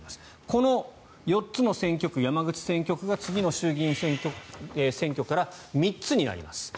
この３つの選挙区、山口選挙区が次の衆議院選挙から３つになります。